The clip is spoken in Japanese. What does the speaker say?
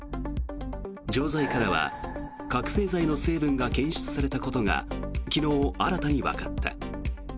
錠剤からは覚醒剤の成分が検出されたことが昨日、新たにわかった。